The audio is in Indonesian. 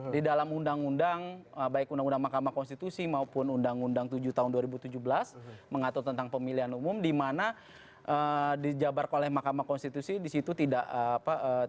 di dalam undang undang baik undang undang makam konstitusi maupun undang undang tujuh tahun dua ribu tujuh belas mengatur tentang pemilihan umum dimana dijabarkan oleh makam konstitusi disitu tidak apa apa apa